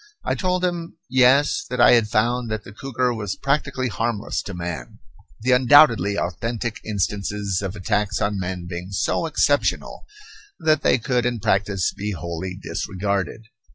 I told him, Yes, that I had found that the cougar was practically harmless to man, the undoubtedly authentic instances of attacks on men being so exceptional that they could in practice be wholly disregarded.